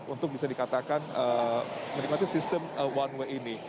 untuk bisa dikatakan menikmati sistem one way ini